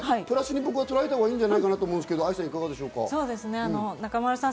前向きなことでプラスに僕はとらえた方がいいんじゃないかなと思うんですけど、愛さん、いかがでしょうか？